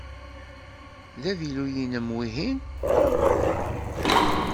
D avilu-inem wihin?